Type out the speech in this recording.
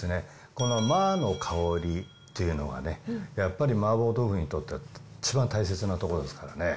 このマーの香りっていうのはね、やっぱり麻婆豆腐にとっては一番大切なところですからね。